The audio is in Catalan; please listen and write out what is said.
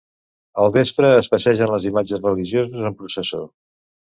Al vespre es passegen les imatges religioses en processó.